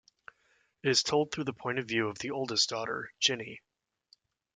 It is told through the point of view of the oldest daughter, Ginny.